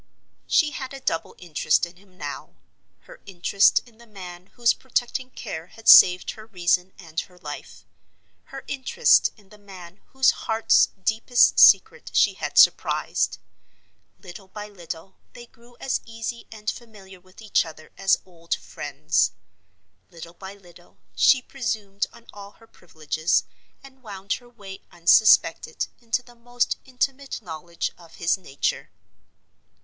She had a double interest in him now—her interest in the man whose protecting care had saved her reason and her life; her interest in the man whose heart's deepest secret she had surprised. Little by little they grew as easy and familiar with each other as old friends; little by little she presumed on all her privileges, and wound her way unsuspected into the most intimate knowledge of his nature.